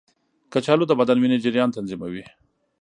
کچالو د بدن وینې جریان تنظیموي.